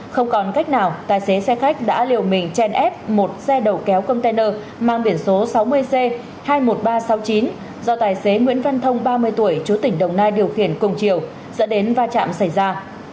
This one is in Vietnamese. không còn cách nào tài xế xe khách đã liều mình chen ép một xe đầu kéo container mang biển số sáu mươi c hai mươi một nghìn ba trăm sáu mươi chín do tài xế nguyễn văn thông ba mươi tuổi chú tỉnh đồng nai điều khiển cùng chiều dẫn đến va chạm xảy ra